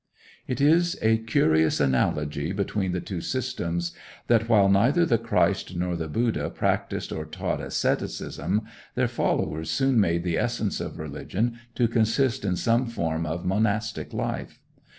It is a curious analogy between the two systems that, while neither the Christ nor the Buddha practiced or taught asceticism, their followers soon made the essence of religion to consist in some form of monastic life.